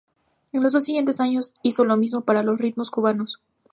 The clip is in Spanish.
En los dos siguientes años hizo lo mismo para los ritmos cubanos.